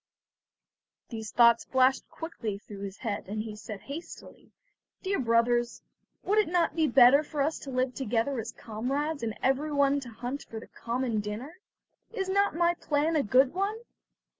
These thoughts flashed quickly through his head, and he said hastily: "Dear brothers, would it not be better for us to live together as comrades, and everyone to hunt for the common dinner? Is not my plan a good one?"